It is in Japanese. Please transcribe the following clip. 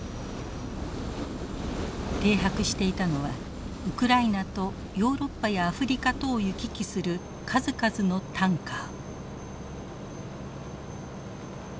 停泊していたのはウクライナとヨーロッパやアフリカとを行き来する数々のタンカー。